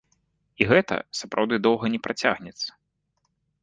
І гэта сапраўды доўга не працягнецца.